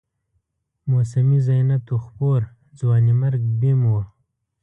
موسمي زینت و خپور، ځوانیمرګ بیم و